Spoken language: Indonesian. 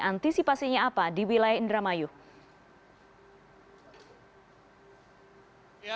antisipasinya apa di wilayah indra mayuw